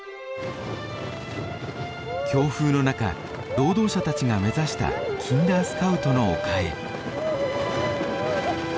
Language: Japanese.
強風の中労働者たちが目指したキンダースカウトの丘へ。